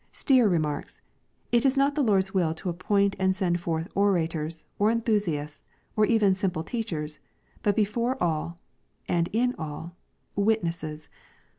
Stier remarks, " It is not the Lord's will to appoint and send forth orators, or enthusiasts, or even simple teachers, but before all, and in all, witnesses.